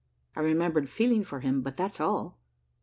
I remembered feeling for him, but that's all.